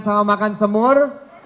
sama makan semur